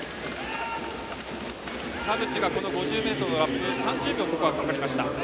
田渕は、この５０ｍのラップ３０秒かかりました。